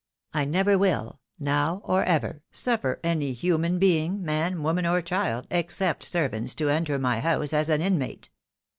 I never wiU, now or ever, suffer any human being, man, woman, or child, except servants, to enter my house as an inmate.